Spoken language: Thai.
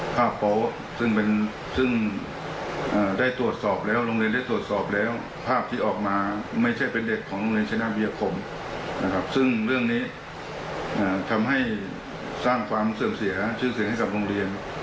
ความเสื่อมเสียชื่อเสียงให้กับโรงเรียน